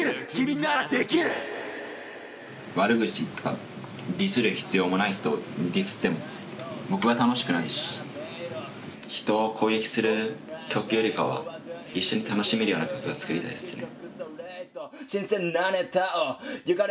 悪口とかディスる必要もない人をディスっても僕は楽しくないし人を攻撃する曲よりかは一緒に楽しめるような曲が作りたいっすね。